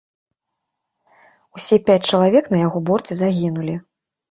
Усе пяць чалавек на яго борце загінулі.